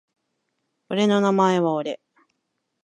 俺の名前は俺